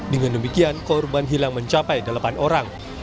dengan demikian korban hilang mencapai delapan orang